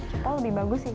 cepol lebih bagus sih